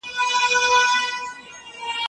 پر خیرات دي پیسې ولي نه زړه کیږي